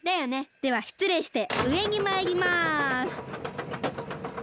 ではしつれいしてうえにまいります。